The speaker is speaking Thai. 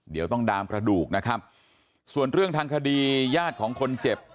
เดี๋ยวต้องดามกระดูกนะครับส่วนเรื่องทางคดีญาติของคนเจ็บ